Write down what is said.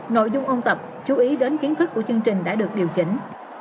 nội dung ôn tập chú ý đến kiến thức của chương trình đã được điều chỉnh